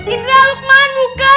idra lukman buka